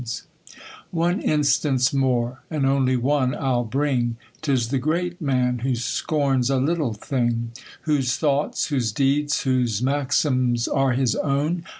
's "> One instance more, and only one Pll brinj 'Tis the great man who scorns a little thing ; Whose thoughts, whose deeds, whose maxims are his own.